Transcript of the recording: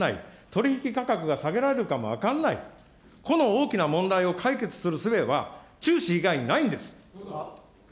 取り引き価格が下げられるかも分かんない、この大きな問題を解決するすべは、中止以外にないんです。